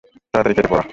তাড়াতাড়ি কেটে পড়!